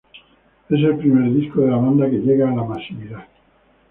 Es el primer disco de la banda que llega a la masividad.